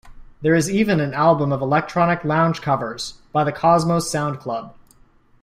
There is even an album of electronic lounge covers, by the Cosmos Sound Club.